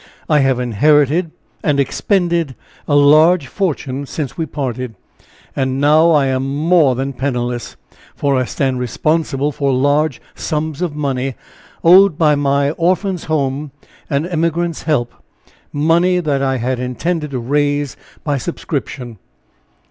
I have inherited and expended a large fortune since we parted and now I am more than penniless, for I stand responsible for large sums of money owed by my 'Orphans Home' and 'Emigrants Help' money that I had intended to raise by subscription."